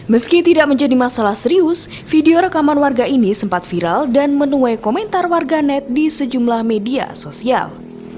meski tidak menjadi masalah serius video rekaman warga ini sempat viral dan menuai komentar warga net di sejumlah media sosial